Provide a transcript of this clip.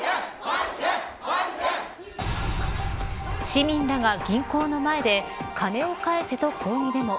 市民らが銀行の前で金を返せと抗議デモ。